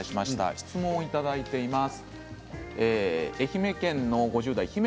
質問をいただいています。